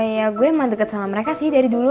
ya gue emang deket sama mereka sih dari dulu